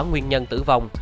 nguyên nhân tử vong